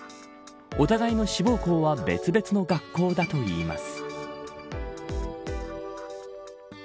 お互いの志望校は、別々の学校だといいます。